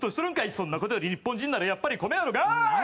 そんなことより日本人ならやっぱり米やろがい！